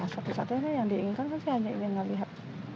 satu satunya yang diinginkan kan saya hanya ingin melihat